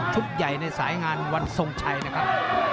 ใหญ่ในสายงานวันทรงชัยนะครับ